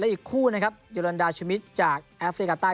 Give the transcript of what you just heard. อีกคู่นะครับเยอรันดาชมิตรจากแอฟริกาใต้